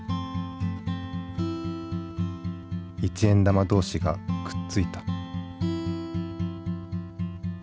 一円玉同士がくっついた。